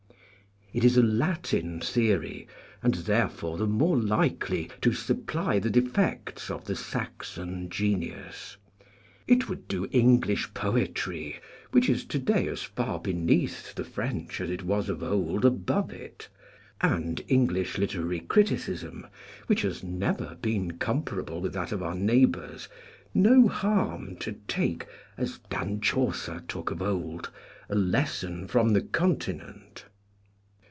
It is a Latin theory, and therefore the more likely to supply the defects of the Saxon genius. It would do English poetry which is to day as far beneath the French as it was of old above it and English literary criticism, which has never been comparable with that of our neighbours, no harm to take, as Dan Chaucer took of old, a lesson from the Continent.